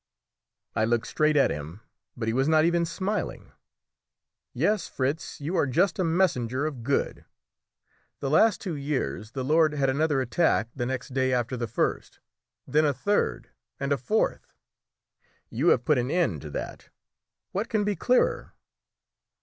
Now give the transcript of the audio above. I looked straight at him, but he was not even smiling! "Yes, Fritz, you are just a messenger of good; the last two years the lord had another attack the next day after the first, then a third and a fourth. You have put an end to that. What can be clearer?"